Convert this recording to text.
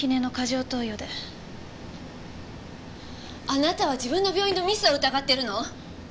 あなたは自分の病院のミスを疑ってるの？